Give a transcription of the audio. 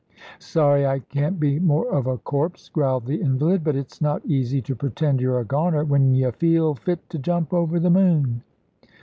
"Sorry I can't be more of a corpse," growled the invalid; "but it's not easy to pretend you're a goner, when y' feel fit to jump over the moon."